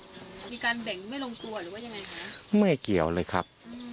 มีการแบ่งไม่ลงตัวหรือว่ายังไงคะไม่เกี่ยวเลยครับ